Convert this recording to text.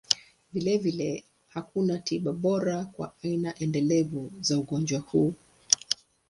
Vilevile, hakuna tiba bora kwa aina endelevu za ugonjwa huu.